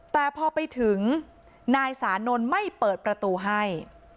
แต่พอไปถึงนายสานนท์ไม่เปิดประตูให้